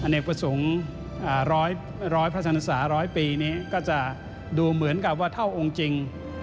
เนกประสงค์ร้อยพระธรรมศาร้อยปีนี้ก็จะดูเหมือนกับว่าเท่าองค์จริง